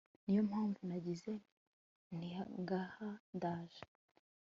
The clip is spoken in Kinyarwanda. niyo mpamvu nagize ntingaha ndaje